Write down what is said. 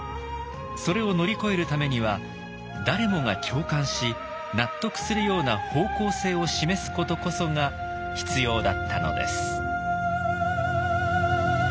それを乗り越えるためには誰もが共感し納得するような方向性を示すことこそが必要だったのです。